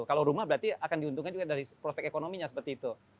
kalau rumah berarti akan diuntungkan juga dari prospek ekonominya seperti itu